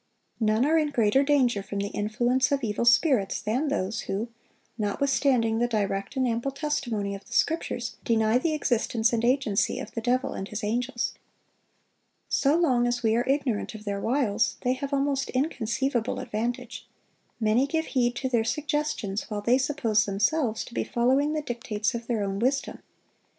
None are in greater danger from the influence of evil spirits than those who, notwithstanding the direct and ample testimony of the Scriptures, deny the existence and agency of the devil and his angels. So long as we are ignorant of their wiles, they have almost inconceivable advantage; many give heed to their suggestions while they suppose themselves to be following the dictates of their own wisdom.